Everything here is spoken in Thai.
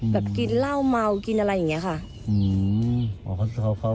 กินเหล้าเมากินอะไรอย่างนี้ค่ะ